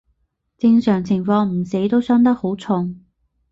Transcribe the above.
正常情況唔死都傷得好重